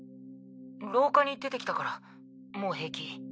「廊下に出てきたからもう平気」